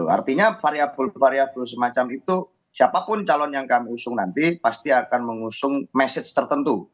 artinya variable variable semacam itu siapapun calon yang kami usung nanti pasti akan mengusung message tertentu